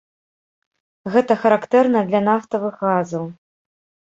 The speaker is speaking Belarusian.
Гэта характэрна для нафтавых газаў.